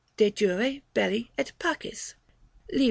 De jure belli et pacis. Lib.